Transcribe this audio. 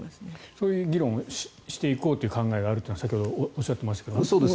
そういう議論をしていこうという考えがあるというのは先ほどおっしゃっていましたが。